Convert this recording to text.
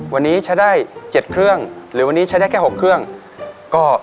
วันนี้ใช้ได้๗เครื่องหรือวันนี้ใช้ได้แค่๖เครื่องก็